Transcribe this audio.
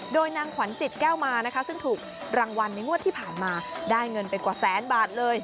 โดยนางขวัญจิตแก้วมานะคะซึ่งถูกรางวัลในงวดที่ผ่านมาได้เงินไปกว่าแสนบาทเลย